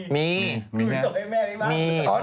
มี